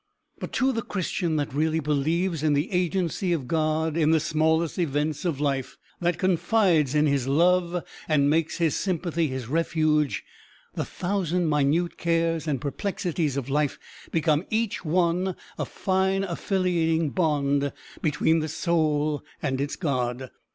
But to the Christian that really believes in the agency of God in the smallest events of life, that confides in his love, and makes his sympathy his refuge, the thousand minute cares and perplexities of life become each one a fine affiliating bond between the soul and its God.